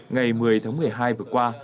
ngày một mươi tháng một mươi hai vừa qua